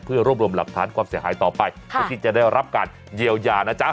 เพื่อรวบรวมหลักฐานความเสียหายต่อไปเพื่อที่จะได้รับการเยียวยานะจ๊ะ